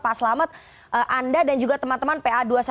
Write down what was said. pak selamat anda dan juga teman teman pa dua ratus dua belas